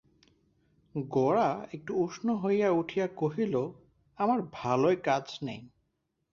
গোরা একটু উষ্ণ হইয়া উঠিয়া কহিল, আমার ভালোয় কাজ নেই।